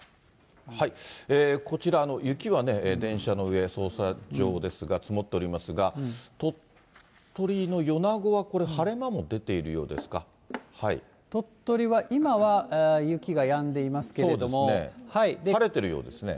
こちら、雪は電車の上、ですが、積もっておりますが、鳥取の米子はこれ、晴れ間も出て鳥取は今は雪がやんでいます晴れてるようですね。